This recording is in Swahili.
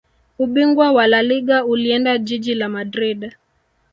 Ubingwa wa laliga ulienda jiji la madrid